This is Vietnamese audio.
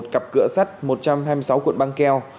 một mươi một cặp cửa sắt một trăm hai mươi sáu cuộn băng keo